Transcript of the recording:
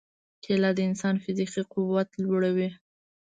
کېله د انسان فزیکي قوت لوړوي.